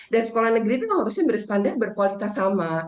dan sekolah negeri itu harusnya berstandar berkualitas sama